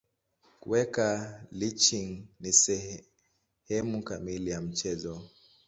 Kuweka lynching ni sehemu kamili ya mchezo.